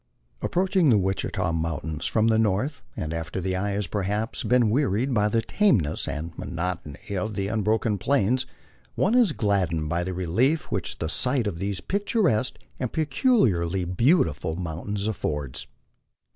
Approaching the Wichita mountains from the north, and after the eye has perhaps been wearied by the tameness and monotony of the un broken Plains, one is gladdened by the relief which the sight of these pictur esque and peculiarly beautiful mountains affords.